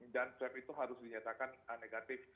dan swab itu harus dinyatakan negatif